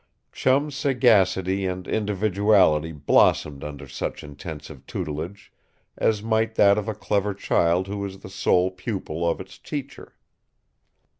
Chum's sagacity and individuality blossomed under such intensive tutelage, as might that of a clever child who is the sole pupil of its teacher.